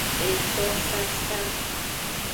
Etosasa.